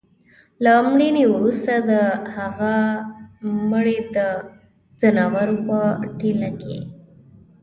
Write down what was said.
له مړيني وروسته د هغه مړى د ځناورو په ټېله کي